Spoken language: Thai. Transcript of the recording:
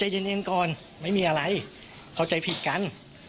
เย็นก่อนไม่มีอะไรเข้าใจผิดกัน